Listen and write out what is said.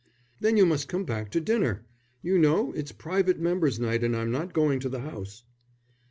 "Then you must come back to dinner. You know, it's private members' night and I'm not going to the House."